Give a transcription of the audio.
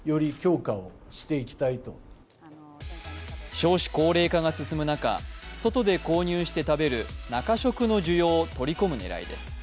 少子高齢化が進む中外で購入して食べる中食の需要を取り込む狙いです。